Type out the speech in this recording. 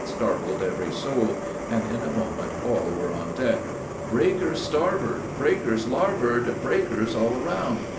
startled every soul, and in a moment all were on deck. "Breakers starboard! breakers larboard! breakers all around!"